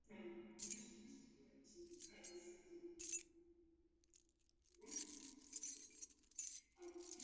Ndekuna mundu oghorea shida rako?